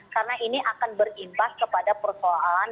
karena ini akan berimbas kepada persoalan